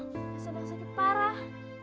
kesan yang sakit parah